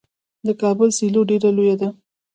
د کابل سیلو ډیره لویه ده.